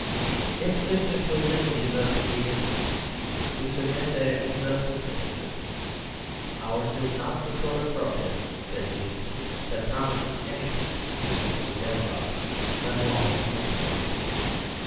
If this conclusion leaves us defeated, we submit that it leaves us disinterested. Ours is not the sort of protest, at least, that promises anything even to the demagogue, let alone the sycophant.